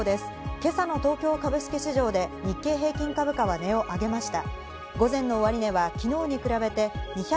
今朝の東京株式市場で日経平均株価は値を上げました。